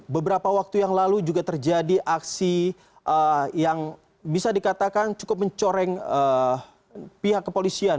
beberapa waktu yang lalu juga terjadi aksi yang bisa dikatakan cukup mencoreng pihak kepolisian